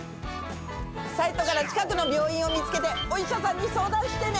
サイトから近くの病院を見つけてお医者さんに相談してね！